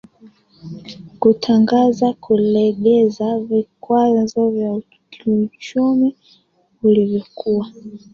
kutangaza kulegeza vikwazo vya kiuchumi ulivyokuwa